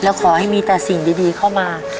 แล้วขอให้มีแต่สิ่งดีเข้ามา